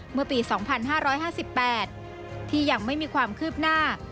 เมื่อปี๒๕๕๘ที่ยังไม่มีความคืบหน้า